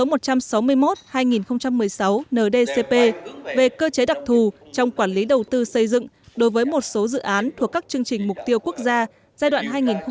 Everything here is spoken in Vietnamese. điều một trăm sáu mươi một hai nghìn một mươi sáu ndcp về cơ chế đặc thù trong quản lý đầu tư xây dựng đối với một số dự án thuộc các chương trình mục tiêu quốc gia giai đoạn hai nghìn một mươi sáu hai nghìn hai mươi